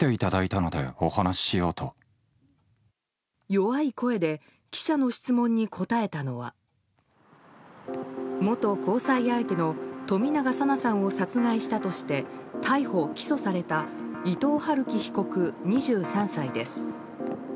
弱い声で記者の質問に答えたのは元交際相手の冨永紗菜さんを殺害したとして逮捕・起訴された伊藤龍稀被告、２３歳です。